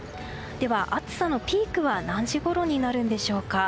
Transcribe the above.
暑さのピークは何時ごろになるんでしょうか。